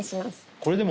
これでも。